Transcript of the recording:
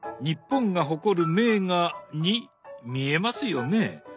日本が誇る名画に見えますよね？